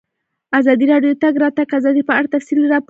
ازادي راډیو د د تګ راتګ ازادي په اړه تفصیلي راپور چمتو کړی.